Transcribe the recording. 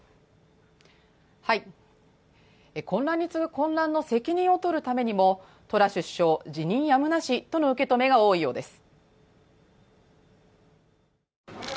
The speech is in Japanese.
混乱に次ぐ混乱の責任を取るためにもトラス首相、辞任やむなしとの受け止めが多いようです。